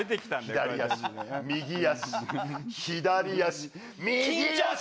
左足、右足、左足、右足。